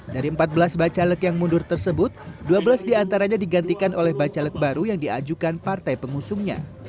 dari empat belas bacalek yang mundur tersebut dua belas diantaranya digantikan oleh bacalek baru yang diajukan partai pengusungnya